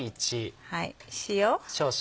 塩。